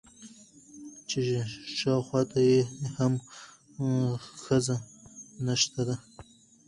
چې شاوخوا ته يې هم ښځه نشته ده.